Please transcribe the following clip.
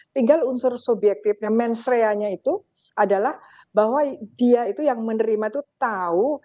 tinggal unsur subjektifnya mensreanya itu adalah bahwa dia itu yang menerima itu tahu